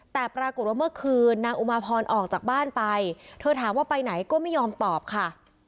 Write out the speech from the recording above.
แต่ปรากฏว่าเมื่อคืนนางอุมาพรออกจากบ้านไปเธอถามว่าไปไหนก็ไม่ยอมตอบค่ะ